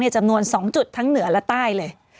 จำนวน๒จุดทั้งเหนือและใต้เลย